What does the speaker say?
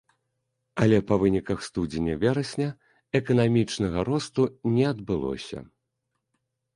Але па выніках студзеня-верасня эканамічнага росту не адбылося.